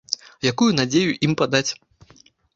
Якую надзею ім падаць?